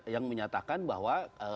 yang menyatakan bahwa